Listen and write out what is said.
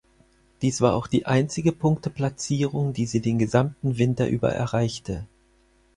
Dies war auch die einzige Punkteplatzierung, die sie den gesamten Winter über erreichte.